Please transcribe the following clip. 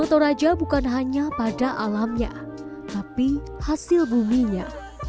toraja bukan hanya pada alamnya tapi hasil buminya